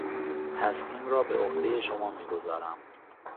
تصمیم را به عهدهی شما میگذارم.